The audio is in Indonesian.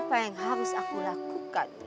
apa yang harus aku lakukan